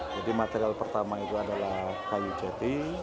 jadi material pertama itu adalah kayu jati